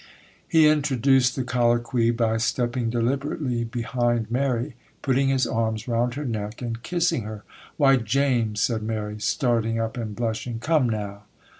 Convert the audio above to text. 24, 1859] He introduced the colloquy by stepping deliberately behind Mary, putting his arms round her neck, and kissing her. 'Why, James!' said Mary, starting up and blushing, 'Come, now!